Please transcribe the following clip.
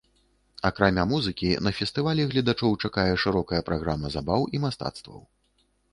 Акрамя музыкі, на фестывалі гледачоў чакае шырокая праграма забаў і мастацтваў.